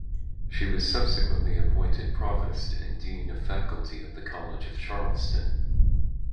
She was subsequently appointed provost and dean of faculty at the College of Charleston.